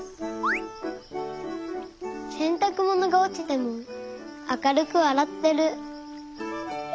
せんたくものがおちてもあかるくわらってる。